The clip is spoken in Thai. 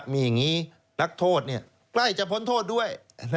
มีอย่างนี้นักโทษใกล้จะพ้นโทษด้วย